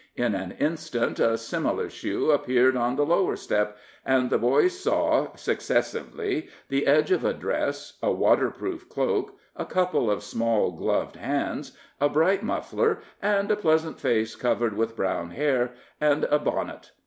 In an instant a similar shoe appeared on the lower step, and the boys saw, successively, the edge of a dress, a waterproof cloak, a couple of small gloved hands, a bright muffler, and a pleasant face covered with brown hair, and a bonnet.